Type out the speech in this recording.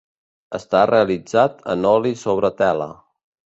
Està realitzat en oli sobre tela.